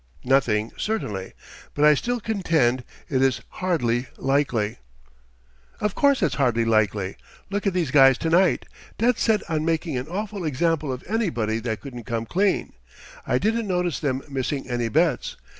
"Nothing, certainly. But I still contend it is hardly likely." "Of course it's hardly likely. Look at these guys to night dead set on making an awful example of anybody that couldn't come clean. I didn't notice them missing any bets.